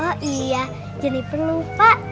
oh iya jeniper lupa